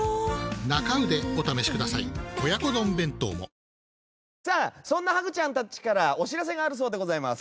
脂肪に選べる「コッコアポ」さあそんなハグちゃんたちからお知らせがあるそうでございます。